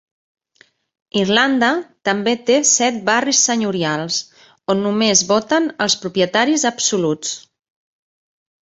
Irlanda també té set "barris senyorials" on només voten els propietaris absoluts.